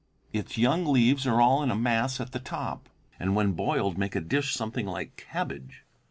Its young leaves are all in a mass at the top, and when boiled make a dish something like cabbage.